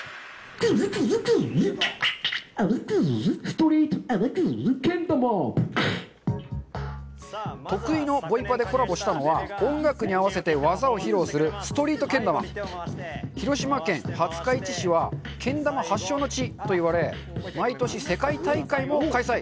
ストリートけん玉得意のボイパでコラボしたのは音楽に合わせて技を披露する広島県廿日市市はけん玉発祥の地といわれ毎年世界大会も開催